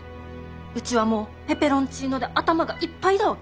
うちはもうペペロンチーノで頭がいっぱいだわけ。